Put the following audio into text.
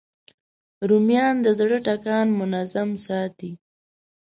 رومیان د زړه ټکان منظم ساتي